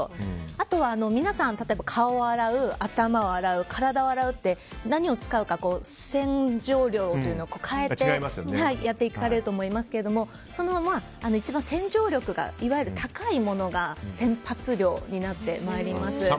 あとは皆さん顔を洗う、頭を洗う体を洗うって何を使うか洗浄料を変えてやっていかれると思いますが一番洗浄力が高いものが洗髪料になってまいります。